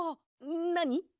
なに？